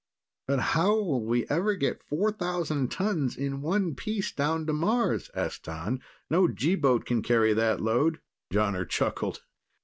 "But how'll we ever get 4,000 tons in one piece down to Mars?" asked T'an. "No G boat can carry that load." Jonner chuckled.